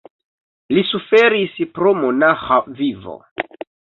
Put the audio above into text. Li suferis pro monaĥa vivo.